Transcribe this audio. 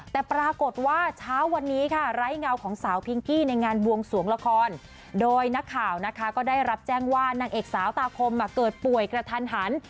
แต่ปรากฏว่าเช้าวันนี้ค่ะไร้เงาของสาวพิงกี้ในงานบวงสวงละครโดยนักข่าวนะคะก็ได้รับแจ้งว่านางเอกสาวตาคมเกิดป่วยกระทันหัน